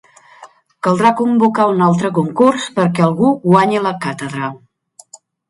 Caldrà convocar un altre concurs perquè algú guanyi la càtedra.